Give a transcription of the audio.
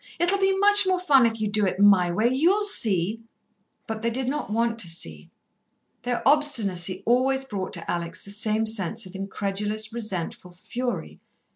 It'll be much more fun if you do it my way you'll see." But they did not want to see. Their obstinacy always brought to Alex the same sense of incredulous, resentful fury.